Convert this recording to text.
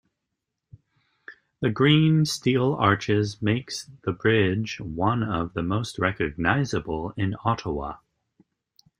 The green steel arches makes the bridge one of the most recognizable in Ottawa.